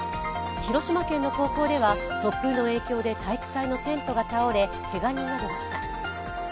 広島県の高校では突風の影響で体育祭のテントが倒れ、けが人が出ました。